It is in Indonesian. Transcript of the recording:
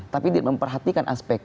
tapi memperhatikan aspek